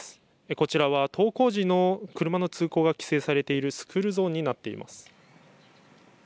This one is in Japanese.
こちらは登校時の車の通行が規制されているスクールゾーンになっています。